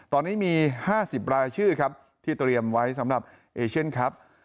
ตอนนี้มี๕๐รายชื่อครับที่เตรียมไว้สำหรับเอเชียนครับ